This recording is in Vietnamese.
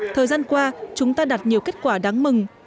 thời gian qua chúng ta đạt nhiều kết quả đáng mừng